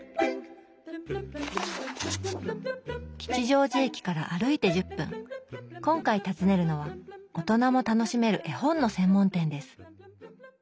吉祥寺駅から歩いて１０分今回訪ねるのはオトナも楽しめる絵本の専門店です